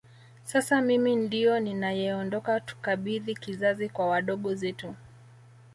Sasa mimi ndio ninayeondoka tukabidhi kizazi kwa wadogo zetu